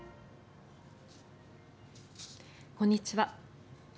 こんにちは。